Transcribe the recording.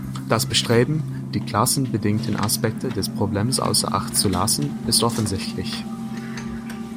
Das Bestreben, die klassenbedingten Aspekte des Problems außer Acht zu lassen, ist offensichtlich.